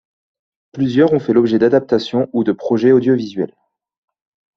Plusieurs on fait l'objet d'adaptation ou de projets audiovisuels.